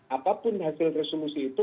apapun hasil resolusi itu